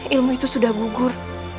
ilmu itu sudah gugur